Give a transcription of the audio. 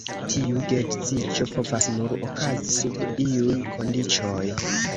Tiu geedziĝo povas nur okazi sub iuj kondiĉoj.